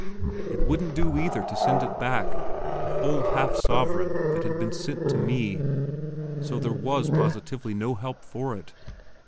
It wouldn't do, either, to send it back a whole half sovereign that had been sent to me. So there was positively no help for it.